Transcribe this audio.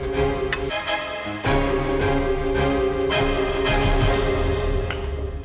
sekarang liza akan makan disomin ini